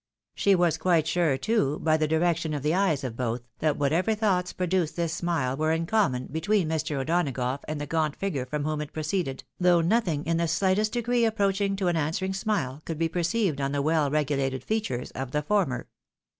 She was quite sure, too, by the direction of the eyes of both, that whatever thoughts produced this smile were in common between Mr. O'Donagough and the gaunt figure from whom it proceeded, though nothing in the slightest degree approaching to an answering smile could be perceived on the well regulated features of the former.